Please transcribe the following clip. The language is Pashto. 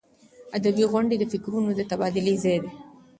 ادبي غونډې د فکرونو د تبادلې ځای دی.